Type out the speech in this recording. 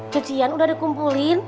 cucian udah dikumpulin